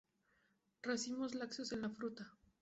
Racimos laxos en la fruta.